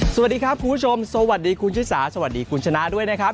สวัสดีครับคุณผู้ชมสวัสดีคุณชิสาสวัสดีคุณชนะด้วยนะครับ